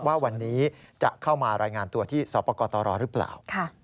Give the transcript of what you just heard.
ว่าวันนี้จะเข้ามารายงานตัวที่สปกตรหรือเปล่า